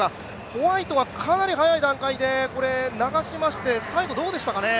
ホワイトはかなり早い段階で流しまして、最後どうでしたかね？